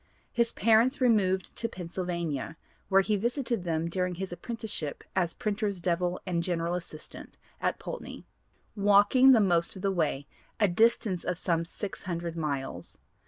His parents removed to Pennsylvania, where he visited them during his apprenticeship as "printers' devil," and general assistant at Poultney, walking the most of the way, a distance of about 600 miles.